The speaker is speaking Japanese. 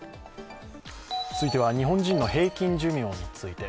続いては日本人の平均寿命について。